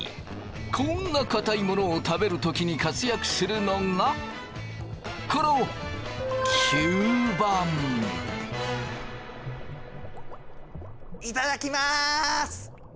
こんなかたいものを食べる時に活躍するのがこの頂きます！